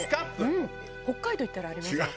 北海道行ったらありますね。